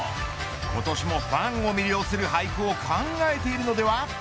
今年もファンを魅了する俳句を考えているのでは。